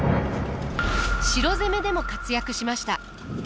城攻めでも活躍しました。